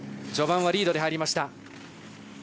序盤はリードで入りました。